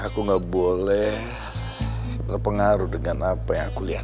aku gak boleh terpengaruh dengan apa yang aku lihat